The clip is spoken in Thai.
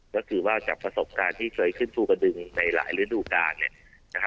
ก็คือว่าจากประสบการณ์ที่เคยขึ้นภูกระดึงในหลายฤดูกาล